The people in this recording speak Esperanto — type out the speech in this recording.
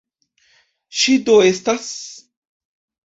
Ŝi do estas?